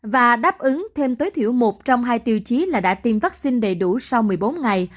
và đáp ứng thêm tối thiểu một trong hai tiêu chí là đã tiêm vaccine đầy đủ sau một mươi bốn ngày